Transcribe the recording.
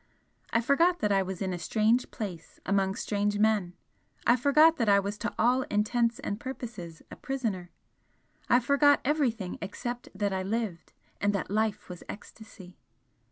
I forgot that I was in a strange place among strange men, I forgot that I was to all intents and purposes a prisoner I forgot everything except that I lived, and that life was ecstasy!